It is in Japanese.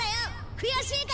悔しいか！